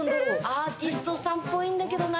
アーティストさんっぽいだけどな。